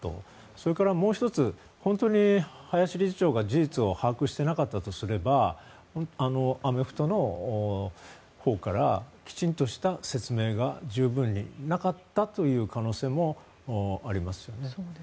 それから、もう１つ本当に林理事長が事実を把握していなかったとすればアメフトのほうからきちんとした説明が十分になかったという可能性もありますよね。